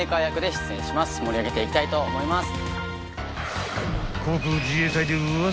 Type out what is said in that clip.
盛り上げていきたいと思います。